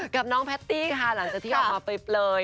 กับน้องแพตตี้ค่ะหลังจากที่ออกมาเปลย